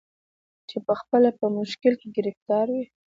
چي پخپله په مشکل کي ګرفتار وي